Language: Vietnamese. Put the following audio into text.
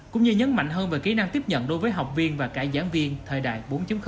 cũng như nhấn mạnh hơn về kỹ năng tiếp nhận đối với học viên và cả giảng viên thời đại bốn